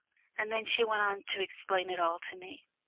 And then she went on to explain it all to me.